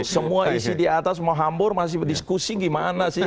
semua isi di atas mau hambur masih berdiskusi gimana sih